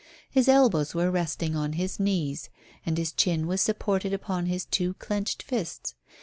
His elbows were resting on his knees and his chin was supported upon his two clenched fists.